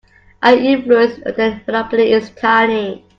Our influence on their monopoly is tiny.